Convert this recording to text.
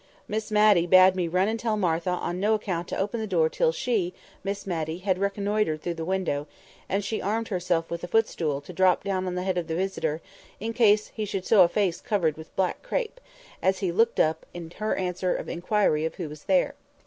Miss Matty bade me run and tell Martha on no account to open the door till she (Miss Matty) had reconnoitred through the window; and she armed herself with a footstool to drop down on the head of the visitor, in case he should show a face covered with black crape, as he looked up in answer to her inquiry of who was there.